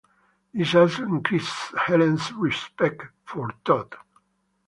This also increases Helen's respect for Tod.